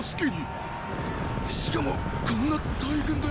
しかもこんな大軍で。